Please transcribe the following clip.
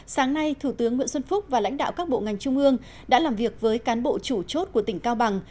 sáng nay thủ tướng nguyễn xuân phúc và lãnh đạo các bộ ngành trung ương đã làm việc với cán bộ chủ chốt của tỉnh cao bằng